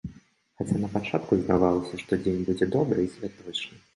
Хаця напачатку здавалася, што дзень будзе добры і святочны.